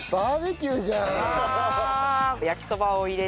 焼きそばを入れて。